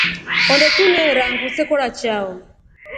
Onde tuneera nguu zekora chao.